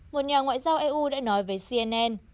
một nhà ngoại giao eu đã nói với cnn